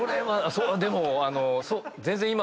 でも全然。